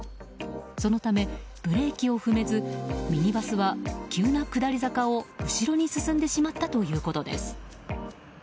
そのため、ブレーキを踏めずミニバスは急な下り坂を、後ろに進んでしまったということです。